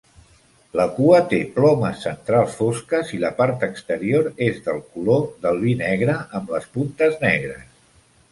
La cua té plomes centrals fosques i la part exterior és del color del vi negre amb les puntes negres.